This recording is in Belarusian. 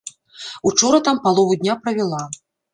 Учора там палову дня правяла.